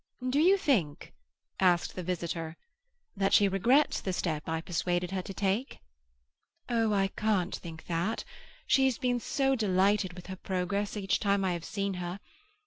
"Do you think," asked the visitor, "that she regrets the step I persuaded her to take?" "Oh, I can't think that! She has been so delighted with her progress each time I have seen her.